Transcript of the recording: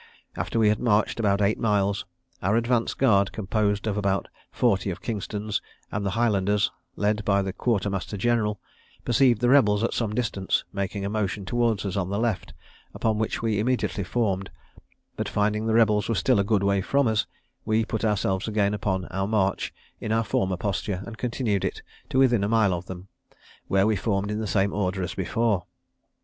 After we had marched about eight miles, our advanced guard, composed of about forty of Kingston's, and the Highlanders, led by the quarter master general, perceived the rebels at some distance, making a motion towards us on the left, upon which we immediately formed; but finding the rebels were still a good way from us, we put ourselves again upon our march in our former posture, and continued it to within a mile of them, where we formed in the same order as before.